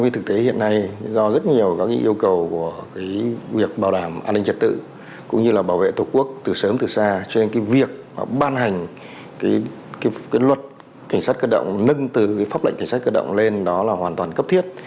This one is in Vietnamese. việc ban hành luật cảnh sát cơ động nâng từ pháp lệnh cảnh sát cơ động lên đó là hoàn toàn cấp thiết